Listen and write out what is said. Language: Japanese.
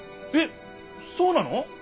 えっそうなの！？